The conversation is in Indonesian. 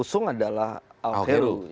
usung adalah ahok heru